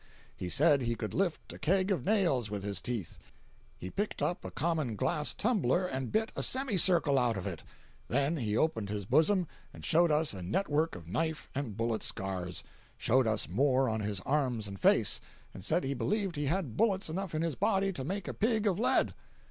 He said he could lift a keg of nails with his teeth. He picked up a common glass tumbler and bit a semi circle out of it. Then he opened his bosom and showed us a net work of knife and bullet scars; showed us more on his arms and face, and said he believed he had bullets enough in his body to make a pig of lead.